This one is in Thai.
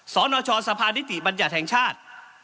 ศนสภานนิติบัญญาณแห่งชาติ